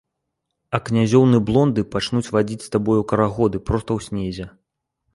А князёўны-блонды пачнуць вадзіць з табою карагоды проста ў снезе.